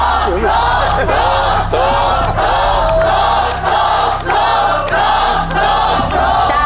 ขอบคุณครับ